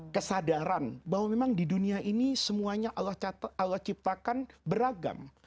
kesadaran bahwa memang di dunia ini semuanya allah ciptakan beragam